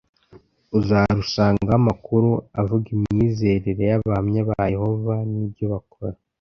uzarusangaho amakuru avuga imyizerere y abahamya ba yehova n ibyo bakora